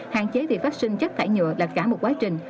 hạn chế việc phát sinh chất thải nhựa là cả một quá trình